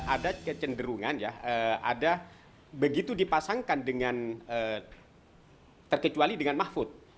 ada kecenderungan ya ada begitu dipasangkan dengan terkecuali dengan mahfud